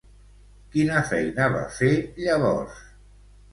Quina feina va fer llavors?